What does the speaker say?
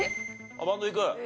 バンドいく？